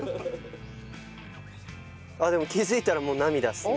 でも気づいたらもう涙ですね。